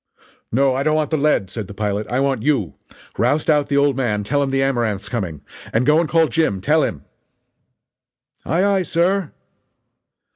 "No, I don't want the lead," said the pilot, "I want you. Roust out the old man tell him the Amaranth's coming. And go and call Jim tell him." "Aye aye, sir!"